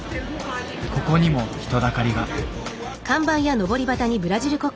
ここにも人だかりが。